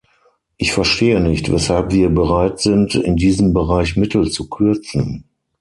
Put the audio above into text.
Ich verstehe nicht, weshalb wir bereit sind, in diesem Bereich Mittel zu kürzen.